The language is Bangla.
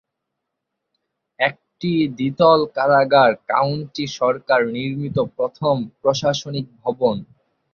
একটি দ্বিতল কারাগার কাউন্টি সরকার নির্মিত প্রথম প্রশাসনিক ভবন।